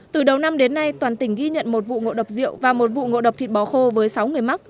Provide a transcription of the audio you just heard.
từ đầu năm đến nay toàn tỉnh ghi nhận một vụ ngộ độc rượu và một vụ ngộ độc thịt bò khô với sáu người mắc